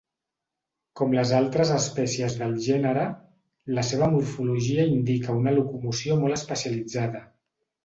Com les altres espècies del gènere, la seva morfologia indica una locomoció molt especialitzada.